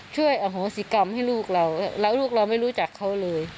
อโหสิกรรมให้ลูกเราแล้วลูกเราไม่รู้จักเขาเลย